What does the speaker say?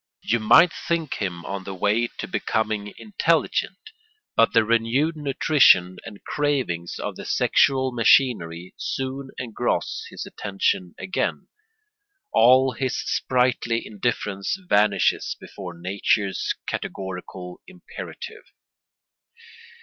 You might think him on the way to becoming intelligent; but the renewed nutrition and cravings of the sexual machinery soon engross his attention again; all his sprightly indifference vanishes before nature's categorical imperative.